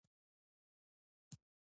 ځيني مېلې د تاریخ له مهمو پېښو سره تړلي يي.